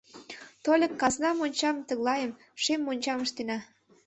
— Тольык казна мончам тыглайым, шем мончам, ыштена.